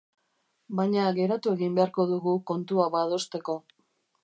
Baina geratu egin beharko dugu kontu hau adosteko.